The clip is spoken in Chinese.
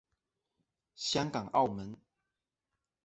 香港澳门